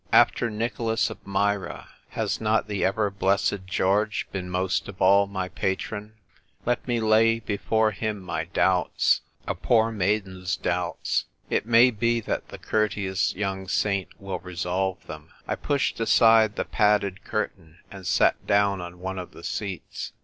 After Nicholas of Myra, has not the ever blessed George been most of all my patron ? Let me lay before him my doubts — a poor maiden' doubts ; it may be that the courteous young saint will resolve them." I pushed aside the padded curtain, and sat down on one of the seats.